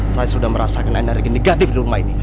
saya sudah merasakan energi negatif di rumah ini